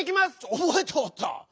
おぼえておった！